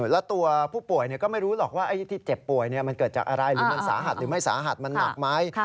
และตัวผู้ป่วยก็ไม่รู้หรอกเจ็บป่วยเกิดจากอะไรมันสาหรัติไม่สาหรัฐมันหนักไหม